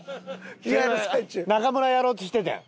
中村やろうとしててん。